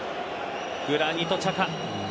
グラニト・チャカ。